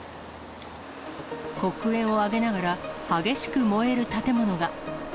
黒煙を上げながら、激しく燃える建物が。